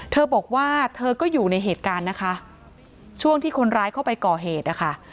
เธอบอกว่าเธอก็อยู่ในเหตุการณ์นะคะช่วงที่คนร้ายเข้าไปก่อเหตุนะคะ